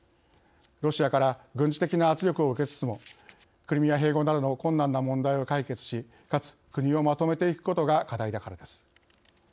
ロシアから軍事的な圧力を受けつつもクリミア併合などの困難な問題を解決しかつ、国をまとめていくことが課題だからです。